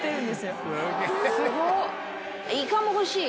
イカも欲しい！